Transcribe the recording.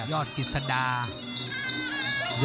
ยอดกิจรรย์